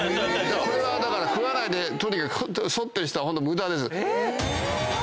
これはだから食わないでそってる人はホント無駄です。